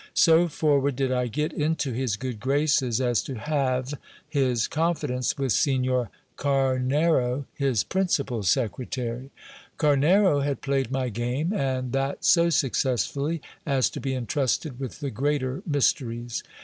So forward did I get into his good graces, as to halve his confidence with Signer Camera, his principal secretary. Camera had played my game ; and that so successfully, as to be intrusted with the greater mysteries.